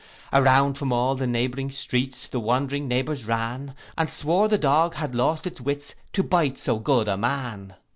Around from all the neighbouring streets, The wondering neighbours ran, And swore the dog had lost his wits, To bite so good a man.